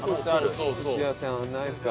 お寿司屋さんないですか？